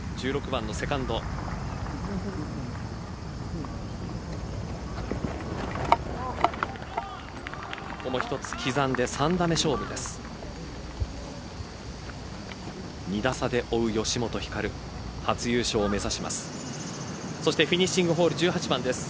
１６番のセカンドここも一つ刻んで３打目、勝負です。